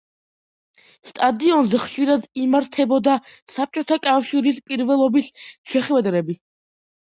სტადიონზე ხშირად იმართებოდა საბჭოთა კავშირის პირველობის შეხვედრები.